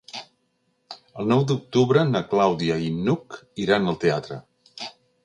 El nou d'octubre na Clàudia i n'Hug iran al teatre.